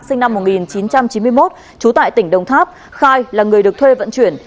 sinh năm một nghìn chín trăm chín mươi một trú tại tỉnh đồng tháp khai là người được thuê vận chuyển